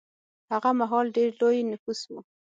هغه مهال ډېر لوی نفوس و.